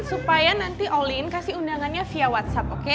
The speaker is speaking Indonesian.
supaya nanti olin kasih undangannya via whatsapp oke